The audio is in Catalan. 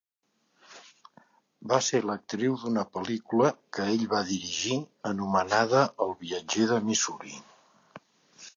Va ser l'actriu d'una pel·lícula que ell va dirigir, anomenada "El viatger de Missouri".